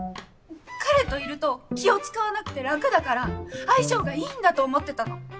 彼といると気を使わなくて楽だから相性がいいんだと思ってたの！